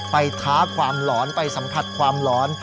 ท้าความหลอนไปสัมผัสความหลอน